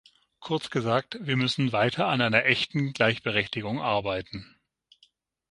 Kurz gesagt, wir müssen weiter an einer echten Gleichberechtigung arbeiten.